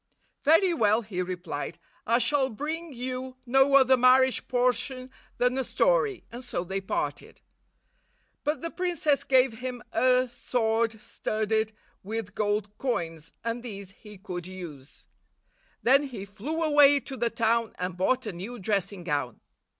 "Very well," he replied; "I shall bring you no other marriage portion than a story," and so they parted. But the princess gave him a sword studded with gold coins, and these he could use. Then he flew away to the town and bought a new dressing gown.